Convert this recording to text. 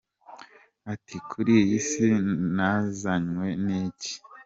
Ati “Kuri iyi Si nazanywe n’iki?